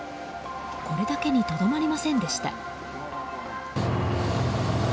これだけにとどまりませんでした。